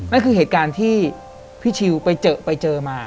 นั่นคือเหตุการณ์ที่พี่ชิลไปเจอไปเจอมา